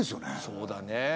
そうだね。